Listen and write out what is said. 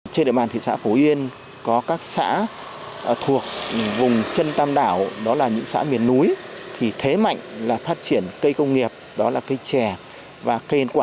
trên địa bàn thị xã phổ yên có các xã thuộc vùng chân tam đảo đó là những xã miền núi thì thế mạnh là phát triển cây công nghiệp đó là cây chè và cây ăn quả